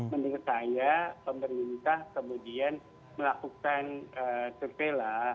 menurut saya pemerintah kemudian melakukan surveillance